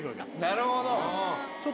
なるほど。